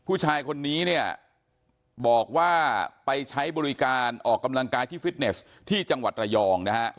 ผู้ชายคนนี้เนี่ยบอกว่าไปใช้บริการออกกำลังกายที่ฟิตเนสที่จังหวัดระยองนะฮะ